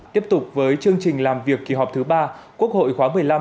tiếp tục với chương trình làm việc kỳ họp thứ ba quốc hội khóa một mươi năm